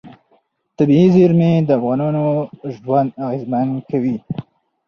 طبیعي زیرمې د افغانانو ژوند اغېزمن کوي.